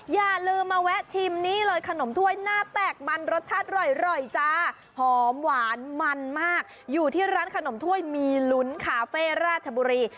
อย่าลืมมาแวะชิมนี่เลยขนมถ้วยหน้าแตกมันรสชาติอร่อยจ้าหอมหวานมันมากอยู่ที่ร้านขนมถ้วยมีลุ้นคาเฟ่ราชบุรี